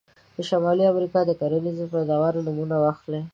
د شمالي امریکا د کرنیزو پیداوارو نومونه واخلئ.